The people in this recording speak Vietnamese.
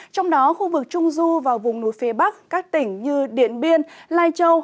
trong đó khu vực trung du và vùng núi phía bắc các tỉnh như điện biên lai châu